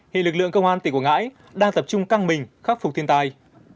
hiện lực lượng công an tỉnh quảng ngãi đang tập trung căng mình khắc phục thiên tai